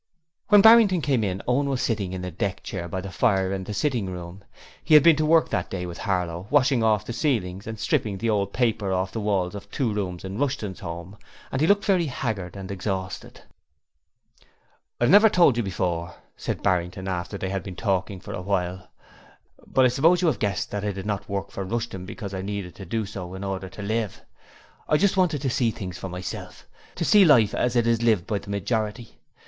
When Barrington came in Owen was sitting in a deck chair by the fire in the sitting room. He had been to work that day with Harlow, washing off the ceilings and stripping the old paper from the walls of two rooms in Rushton's home, and he looked very haggard and exhausted. 'I have never told you before,' said Barrington, after they had been talking for a while, 'but I suppose you have guessed that I did not work for Rushton because I needed to do so in order to live. I just wanted to see things for myself; to see life as it is lived by the majority.